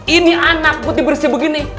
ini anak putih bersih begini